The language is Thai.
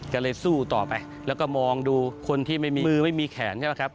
ก็เลยสู้ต่อไปแล้วก็มองดูคนที่ไม่มีมือไม่มีแขนใช่ไหมครับ